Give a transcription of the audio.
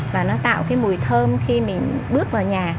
và nó tạo cái mùi thơm khi mình bước vào nhà